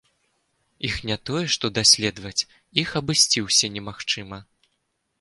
Іх не тое, што даследаваць, іх абысці ўсе немагчыма!